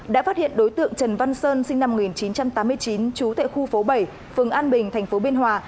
đã phát hiện đối tượng trần văn sơn sinh năm một nghìn chín trăm tám mươi chín chú tại khu phố bảy phường an bình thành phố biên hòa